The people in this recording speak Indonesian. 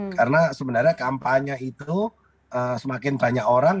karena sebenarnya kampanye itu semakin banyak orang